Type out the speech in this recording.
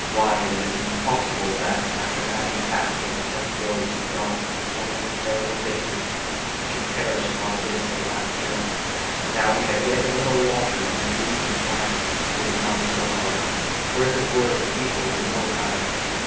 Why, it is impossible that, after having passed over such roads and gone through so many terrible dangers, we should perish upon this the last journey. Now we have yet a little water and this region why, it is not a Sahara, for if it were the people would know about it."